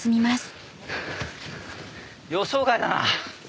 予想外だな。